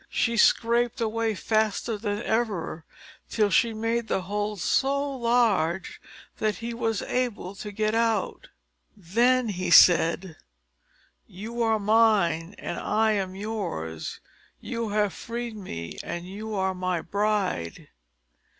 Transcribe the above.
She scraped away faster than ever, till she made the hole so large that he was able to get out. Then he said, "You are mine, and I am yours, you have freed me, and you are my bride."